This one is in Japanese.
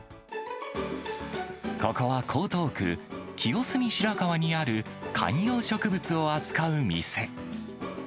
ここは江東区清澄白河にある観葉植物を扱う店。